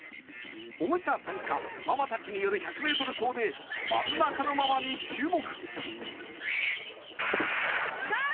保護者参加、ママたちによる１００ｍ走で真ん中のママに注目。